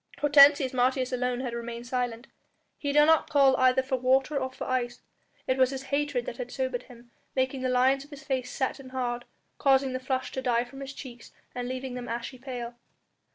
Hortensius Martius alone had remained silent. He did not call either for water or for ice. It was his hatred that had sobered him, making the lines of his face set and hard, causing the flush to die from his cheeks and leaving them ashy pale.